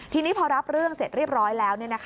ทีนี้พอรับเรื่องเสร็จเรียบร้อยแล้ว